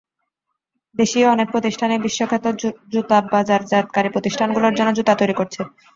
দেশীয় অনেক প্রতিষ্ঠানই বিশ্বখ্যাত জুতা বাজারজাতকারী প্রতিষ্ঠানগুলোর জন্য জুতা তৈরি করছে।